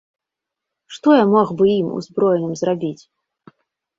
Што я мог бы ім, узброеным, зрабіць?